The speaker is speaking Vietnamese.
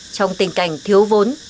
trong tình cảnh thiếu vốn